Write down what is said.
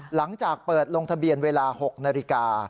หลังจากเปิดลงทะเบียนเวลา๖นาฬิกา